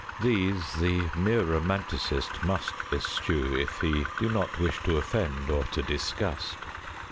These the mere romanticist must eschew, if he do not wish to offend or to disgust.